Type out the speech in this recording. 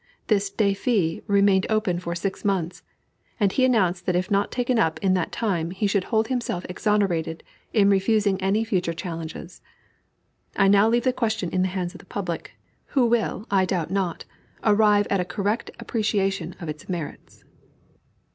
This defi remained open for six months, and he announced that if not taken up in that time he should hold himself exonerated in refusing any future challenges. I now leave the question in the hands of the public, who will, I doubt not, arrive at a correct appreciation of its merits.